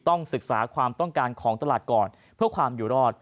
ต้องศึกษาความต้องการของตลาดก่อนเพื่อความอยู่รอด